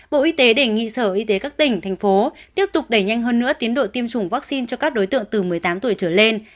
bộ y tế đề nghị sở y tế các tỉnh thành phố tiếp tục đẩy nhanh hơn nữa tiến độ tiêm chủng vaccine cho các đối tượng từ một mươi tám tuổi trở lên